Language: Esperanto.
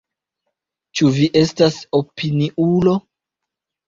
Ĉu vi estas opiniulo?